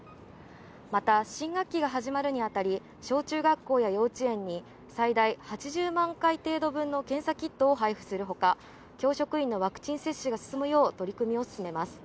また新学期が始まるにあたり、小中学校や幼稚園に最大８０万回程度分の検査キットを配布するほか、教職員のワクチン接種が進むよう取り組みを進めます。